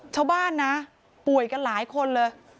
ชาวบ้านนะป่วยกันหลายคนเลย